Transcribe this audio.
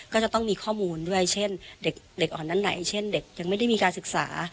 ก็จะต้องมีข้อมูลด้วยเช่นเด็กอ่อนนั้นไหนเช่นเด็กยังไม่ได้มีการศึกษา